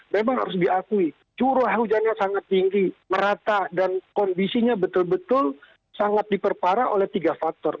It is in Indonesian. memang harus diakui curah hujannya sangat tinggi merata dan kondisinya betul betul sangat diperparah oleh tiga faktor